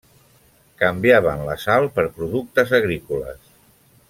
Canviaven la sal per productes agrícoles.